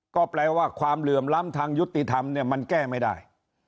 ก็แปลว่าความเหลื่อมล้ำทางยุติธรรมเนี่ยมันแก้ไม่ได้